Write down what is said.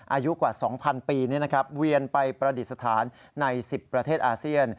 อายุกว่า๒๐๐ปีเวียนไปประดิษฐานใน๑๐ประเทศอาเซียน